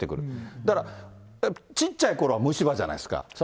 だから、ちっちゃいころは虫歯じゃないですか。